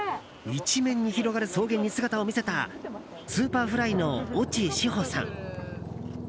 一面に広がる草原に姿を見せたＳｕｐｅｒｆｌｙの越智志保さん。